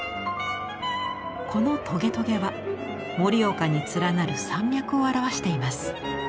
このトゲトゲは盛岡に連なる山脈を表しています。